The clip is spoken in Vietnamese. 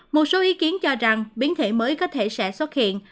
một số ý kiến cho rằng biến thể mới có thể sẽ xuất hiện